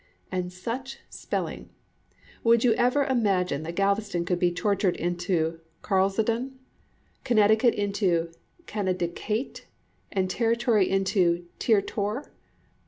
And such spelling! Would you ever imagine that Galveston could be tortured into "Calresdon," Connecticut into "Kanedikait," and Territory into "Teartoir"?